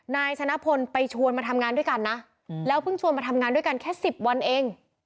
นายชนะพลไปชวนมาทำงานด้วยกันนะแล้วเพิ่งชวนมาทำงานด้วยกันแค่สิบวันเอง